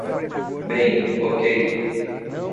Bem, ok